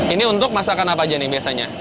ini untuk masakan apa aja nih biasanya